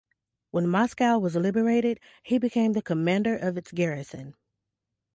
When Moscow was liberated, he became the commander of its garrison.